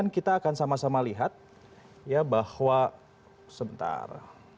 kita akan sama sama lihat ya bahwa sebentar